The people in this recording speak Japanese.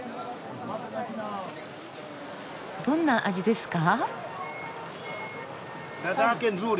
どんな味ですか？